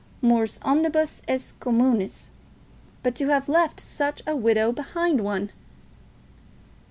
Mors omnibus est communis. But to have left such a widow behind one!